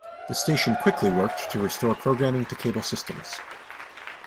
The station quickly worked to restore programming to cable systems.